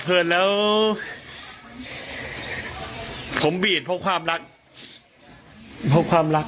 พี่ปั๊ดเดี๋ยวมาที่ร้องให้